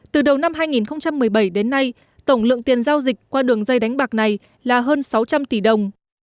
từ đầu năm hai nghìn một mươi bảy đến nay tổng lượng tiền giao dịch qua đường dây đánh bạc này là hơn sáu trăm linh tỷ đồng